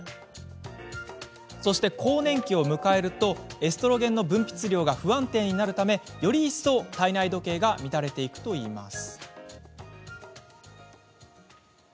そして、更年期を迎えるとエストロゲンの分泌量が不安定になるため、より一層体内時計が乱れていくといいます。